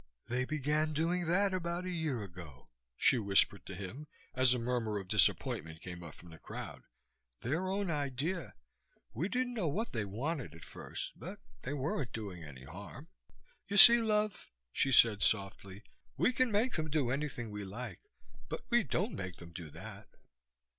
"They began doing that about a year ago," she whispered to him, as a murmur of disappointment came up from the crowd. "Their own idea. We didn't know what they wanted at first, but they weren't doing any harm. You see, love," she said softly, "we can make them do anything we like. But we don't make them do that."